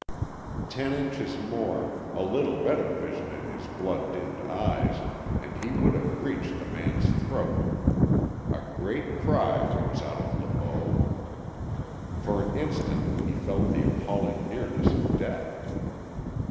Ten inches more a little better vision in his blood dimmed eyes and he would have reached the man's throat. A great cry rose out of Le Beau. For an instant he felt the appalling nearness of death.